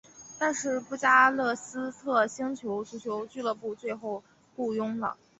但是布加勒斯特星足球俱乐部最后雇佣了。